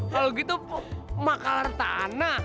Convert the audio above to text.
kalau gitu mah kelar tanah